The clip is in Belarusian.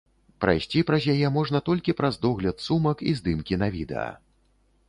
Прайсці праз яе можна толькі праз догляд сумак і здымкі на відэа.